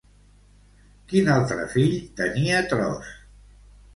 Quin altre fill tenia Tros?